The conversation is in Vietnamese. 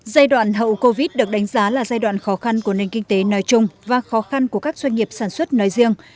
giai đoạn hậu covid được đánh giá là giai đoạn khó khăn của nền kinh tế nói chung và khó khăn của các doanh nghiệp sản xuất nói riêng